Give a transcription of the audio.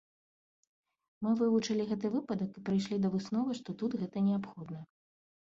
Мы вывучылі гэты выпадак і прыйшлі да высновы, што тут гэта неабходна.